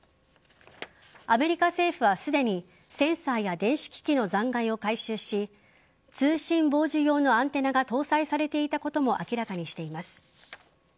アメリカ政府はすでにセンサーや電子機器の残骸を回収し通信傍受用のアンテナが搭載されていたことも明らかにしています。